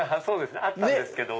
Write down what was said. あったんですけど。